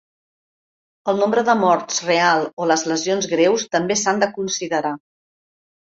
El nombre de morts real o les lesions greus també s'han de considerar.